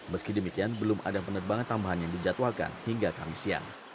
meski demikian belum ada penerbangan tambahan yang dijadwalkan hingga kamis siang